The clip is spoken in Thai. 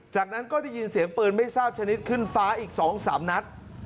จากนั้นก็ได้ยินเสียงปืนไม่ทราบชนิดขึ้นฟ้าอีก๒๓นัด